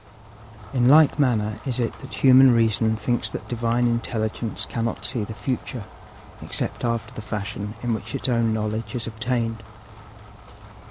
'In like manner is it that human reason thinks that Divine Intelligence cannot see the future except after the fashion in which its own knowledge is obtained.